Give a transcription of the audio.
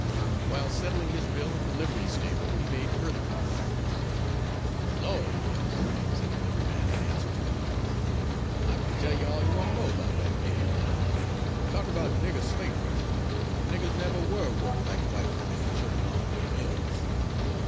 While settling his bill at the livery stable, he made further inquiries. "Lord, yes," said the liveryman in answer to one of them, "I can tell you all you want to know about that mill. Talk about nigger slavery the niggers never were worked like white women and children are in them mills.